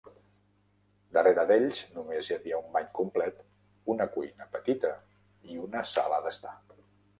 Darrere d'ells només hi havia un bany complet, una cuina petita i una sala d'estar.